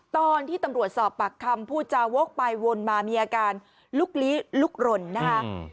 ตอนที่ตำรวจสอบปากคำผู้จาวกไปวนมามีอาการลุกลี้ลุกหล่นนะคะ